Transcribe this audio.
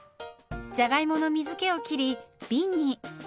じゃがいもの水けを切りびんに。